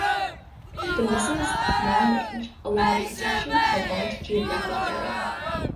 The missile's long range allowed protection of a large geographic area.